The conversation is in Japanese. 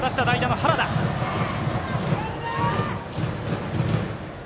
大きな声を出した、代打の原田。